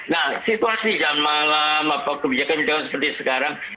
nah situasi jam malam apa kebijakan kebijakan seperti sekarang